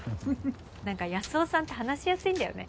何か安生さんって話しやすいんだよね。